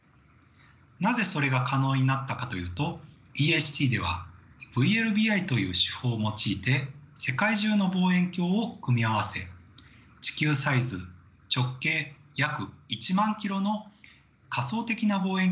なぜそれが可能になったかというとＥＨＴではＶＬＢＩという手法を用いて世界中の望遠鏡を組み合わせ地球サイズ直径約１万キロの仮想的な望遠鏡をつくり上げたからです。